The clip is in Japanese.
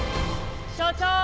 所長！